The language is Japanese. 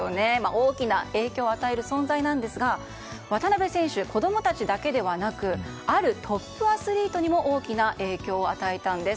大きな影響を与える存在なんですが渡邊選手は子供たちだけじゃなくあるトップアスリートにも大きな影響を与えたんです。